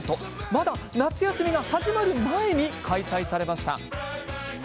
まだ夏休みが始まる前に開催されました。